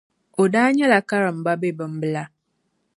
O daa nyɛla karimba m-be Bimbila.